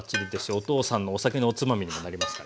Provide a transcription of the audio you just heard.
お父さんのお酒のおつまみにもなりますからね。